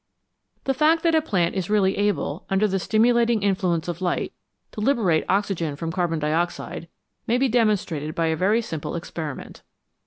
The fact that a plant is really able, under the stimu lating influence of light, to liberate oxygen from carbon dioxide may be demonstrated by a very simple experi ment.